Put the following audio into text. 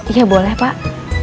iya boleh pak